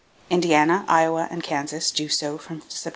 Indiana, Iowa and Kansas do so " Sept.